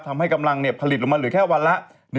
ทำให้กำลังเนี่ยผลิตลงมาหรือแค่วันละ๑๗๔๖